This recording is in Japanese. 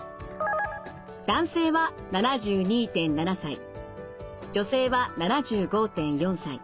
男性は７２．７歳女性は７５．４歳。